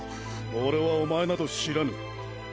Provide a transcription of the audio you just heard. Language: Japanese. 俺はおまえなど知らぬ。